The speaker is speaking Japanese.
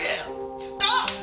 ちょっと！